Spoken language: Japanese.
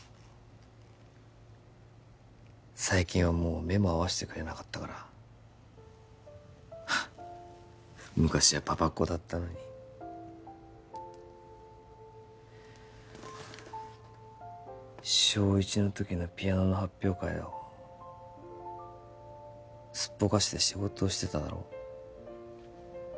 最近はもう目も合わせてくれなかったから昔はパパっ子だったのに小１の時のピアノの発表会をすっぽかして仕事してただろ